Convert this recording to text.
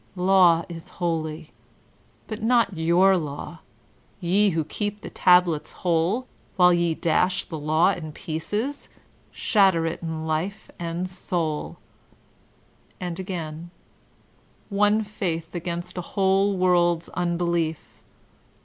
Law is holv : but not 3roar law, jre who keep the tablets wh(4e While ye dash the Law in pieces, shatter it in life and sonL" and again, "One faith against a whole world's unbelief.